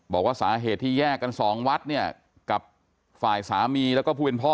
บอกว่าสาเหตุที่แยกกันสองวัดเนี่ยกับฝ่ายสามีแล้วก็ผู้เป็นพ่อ